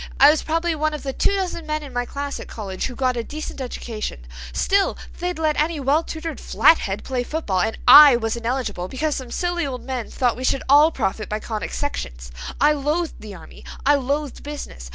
I was probably one of the two dozen men in my class at college who got a decent education; still they'd let any well tutored flathead play football and I was ineligible, because some silly old men thought we should all profit by conic sections. I loathed the army. I loathed business.